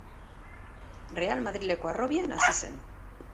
Real Madrileko harrobian hasi zen.